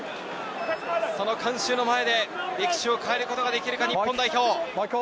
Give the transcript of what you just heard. その観衆の前で歴史を変えることができるか日本代表。